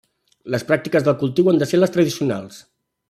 Les pràctiques de cultiu han de ser les tradicionals.